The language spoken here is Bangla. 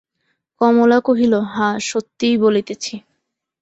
কমলা কহিল, হাঁ, সত্যিই বলিতেছি।